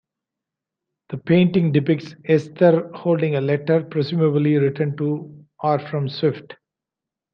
The painting depicts Esther holding a letter, presumably written to or from Swift.